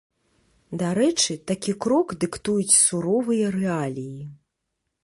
Дарэчы, такі крок дыктуюць суровыя рэаліі.